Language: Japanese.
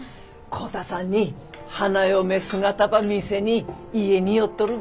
浩太さんに花嫁姿ば見せに家に寄っとるごた。